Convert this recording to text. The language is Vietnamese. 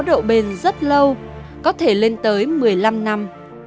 cái này mình có độ bền rất lâu có thể lên tới một mươi năm năm